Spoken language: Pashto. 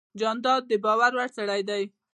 جانداد د باور وړ سړی دی.